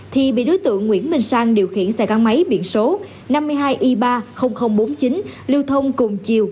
thì bị đối tượng nguyễn minh sang điều khiển xe con máy biển số năm mươi hai i ba bốn mươi chín lưu thông cùng chiều